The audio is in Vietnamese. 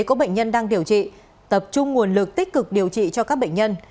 có bệnh nhân đang điều trị tập trung nguồn lực tích cực điều trị cho các bệnh nhân